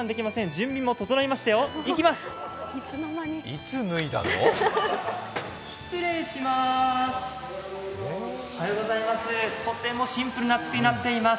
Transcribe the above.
準備も整いましたよ、いきます！